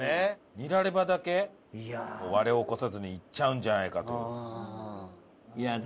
ニラレバだけ割れを起こさずにいっちゃうんじゃないかという。